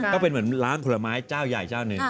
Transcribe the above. ก็เป็นเหมือนล้างผลไม้เจ้าใหญ่เจ้าหนึ่ง